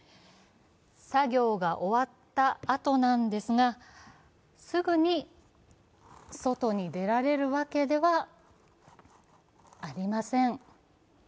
作業が終わったあとなんですが、すぐに外に出られるわけではありません。